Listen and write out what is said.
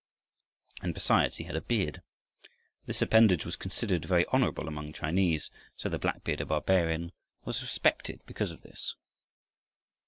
And, besides, he had a beard. This appendage was considered very honorable among Chinese, so the black bearded barbarian was respected because of this.